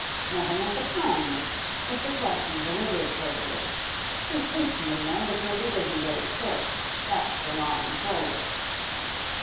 'Nothing of the kind. It's a question of religious prejudice. She hates Mutimer because he doesn't go to church, there's the long and short of it.